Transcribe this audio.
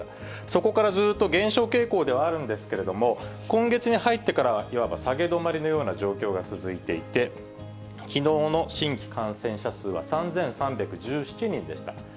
そこからずーっと減少傾向ではあるんですけれども、今月に入ってからは、いわば下げ止まりのような状況が続いていて、きのうの新規感染者数は３３１７人でした。